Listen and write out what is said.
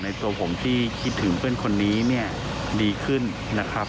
ตัวผมที่คิดถึงเพื่อนคนนี้เนี่ยดีขึ้นนะครับ